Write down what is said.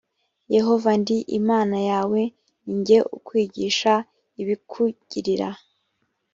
yehova ndi imana yawe ni jye ukwigisha ibikugirira